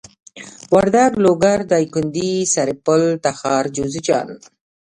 وردک لوګر دايکندي سرپل تخار جوزجان